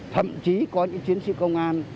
thậm chí có những chiến sĩ công an